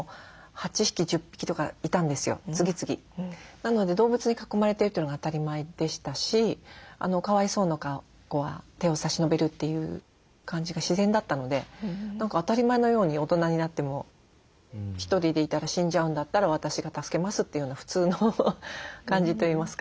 なので動物に囲まれてるというのが当たり前でしたしかわいそうな子は手を差し伸べるという感じが自然だったので何か当たり前のように大人になっても１人でいたら死んじゃうんだったら私が助けますというような普通の感じといいますか。